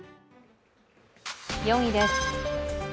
４位です。